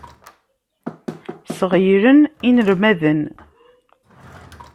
Sɣeylen inelmaden.